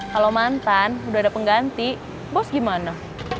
kalau mantan udah ada pengganti bos gimana